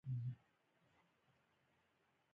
د سندرې سروکی ور غبرګ کړ.